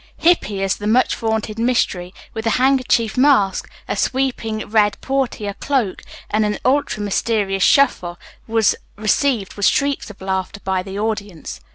Hippy as the much vaunted Mystery, with a handkerchief mask, a sweeping red portiere cloak, and an ultra mysterious shuffle was received with shrieks of laughter by the audience.